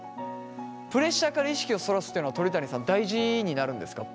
プレッシャーから意識をそらすっていうのは鳥谷さん大事になるんですか？